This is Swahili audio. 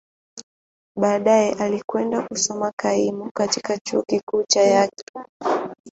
Baadaye, alikwenda kusoma kaimu katika Chuo Kikuu cha Yale.